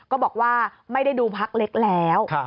ก็บอกว่าไม่ได้ดูพักเล็กแล้ว